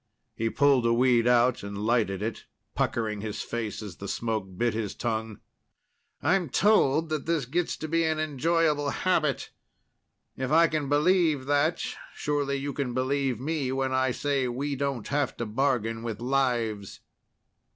He pulled a weed out and lighted it, puckering his face as the smoke bit his tongue. "I'm told that this gets to be an enjoyable habit. If I can believe that, surely you can believe me when I say we don't have to bargain with lives."